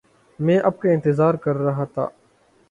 میں آپ کا انتظار کر رہا تھا۔